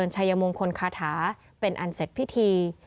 ชัยมงคลคาถาเป็นอันเสร็จพิธี